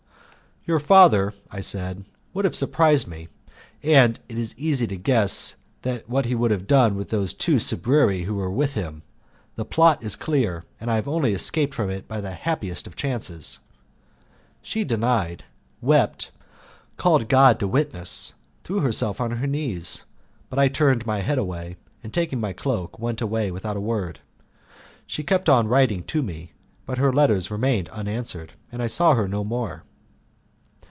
"Your father," I said, "would have surprised me, and it is easy to guess what he would have done with the two sbirri who were with him. The plot is clear, and I have only escaped from it by the happiest of chances." She denied, wept, called God to witness, threw herself on her knees; but I turned my head away, and taking my cloak went away without a word. She kept on writing to me, but her letters remained unanswered, and I saw her no more.